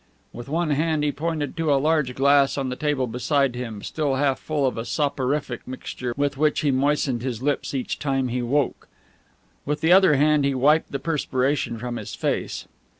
With one hand he pointed to a large glass on the table beside him, still half full of a soporific mixture with which he moistened his lips each time he woke; with the other hand he wiped the perspiration from his face.